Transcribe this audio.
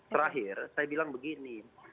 terakhir saya bilang begini